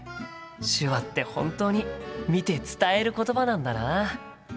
手話って本当に見て伝えることばなんだな。